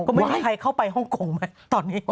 ก็ไม่มีใครเข้าไปฮ่องกงไหมตอนนี้